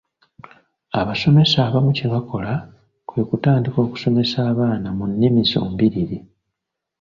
Abasomesa abamu kye bakola kwe kutandika okusomesa abaana mu nnimi zombiriri.